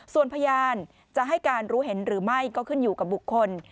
ส่วนพยานจะให้การรู้เห็นหรือไม่ก็ขึ้นอยู่กับบุคคล